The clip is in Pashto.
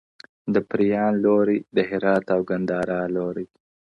د پریان لوري. د هرات او ګندارا لوري.